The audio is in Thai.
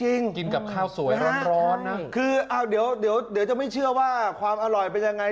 อร่อยเป็นยังไงดูหน้าเราสามคนน่ะตอนนี้